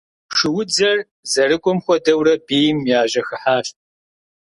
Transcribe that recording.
Шуудзэр зэрыкӏуэм хуэдэурэ бийм яжьэхыхьащ.